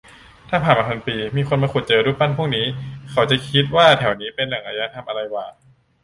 ถ้าผ่านไปพันปี มีคนมาขุดเจอรูปปั้นพวกนี้ เขาจะคิดว่าแถวนี้เป็นแหล่งอารยธรรมอะไรหว่า ?